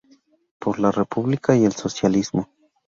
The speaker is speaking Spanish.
Por la República y el Socialismo".